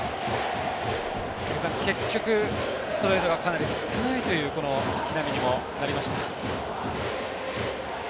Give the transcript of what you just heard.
井口さん、結局ストレートがかなり少ないというこの木浪にも、なりました。